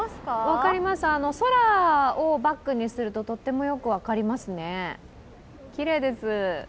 分かります、空をバックにするととってもよく分かりますね、きれいです。